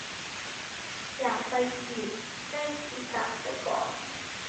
อยากไปอียิปต์ เล่นอีตักไปก่อน